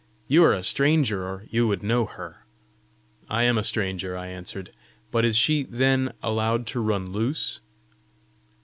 You are a stranger, or you would know her!" "I am a stranger," I answered. "But is she, then, allowed to run loose?"